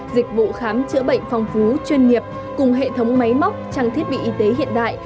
dịch vụ khám chữa bệnh phong phú chuyên nghiệp cùng hệ thống máy móc trang thiết bị y tế hiện đại